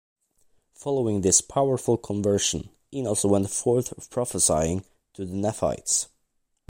Following this powerful conversion, Enos went forth prophesying to the Nephites.